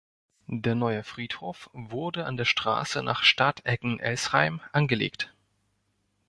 Der neue Friedhof wurde an der Straße nach Stadecken-Elsheim angelegt.